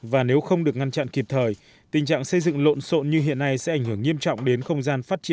và nếu không được ngăn chặn kịp thời tình trạng xây dựng lộn xộn như hiện nay sẽ ảnh hưởng nghiêm trọng đến không gian phát triển